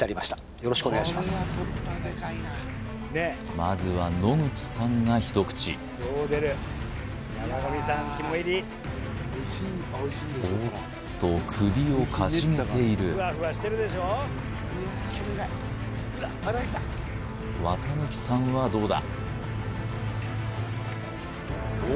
まずは野口さんが一口おっと首をかしげている綿貫さんはどうだ？